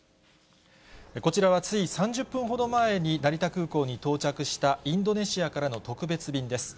こちらはつい３０分ほど前に、成田空港に到着したインドネシアからの特別便です。